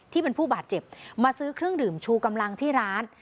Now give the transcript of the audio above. ที่เป็นผู้บาดเจ็บมาซื้อเครื่องดื่มชูกำลังที่ร้าน